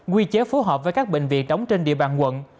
quy chế phối hợp với các bệnh viện đóng trên địa bàn quận